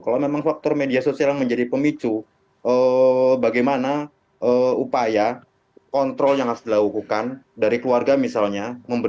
kalau memang faktor media sosial yang menjadi pemicu bagaimana upaya kontrol yang harus dilakukan dari keluarga misalnya